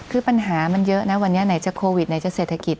คือปัญหามันเยอะนะวันนี้ไหนจะโควิดไหนจะเศรษฐกิจ